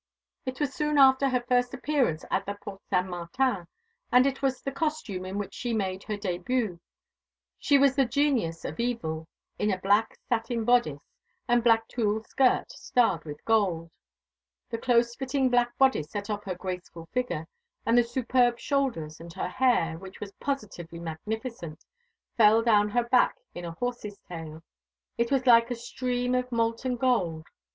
It was soon after her first appearance at the Porte Saint Martin, and it was the costume in which she made her début. She was the Genius of Evil, in a black satin bodice and a black tulle skirt starred with gold. The close fitting black bodice set off her graceful figure, and her superb shoulders, and her hair, which was positively magnificent, fell down her back in a horse's tail. It was like a stream of molten gold.